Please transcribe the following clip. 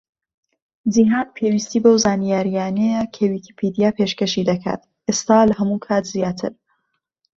جیهان پێویستی بەو زانیاریانەیە کە ویکیپیدیا پێشکەشی دەکات، ئێستا لە هەموو کات زیاتر.